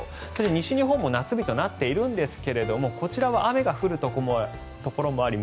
西日本も夏日となっているんですがこちらは雨が降るところもあり